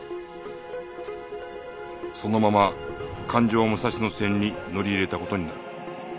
そのまま環状武蔵野線に乗り入れた事になる